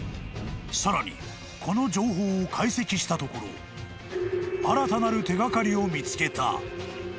［さらにこの情報を解析したところ新たなる手掛かりを見つけた］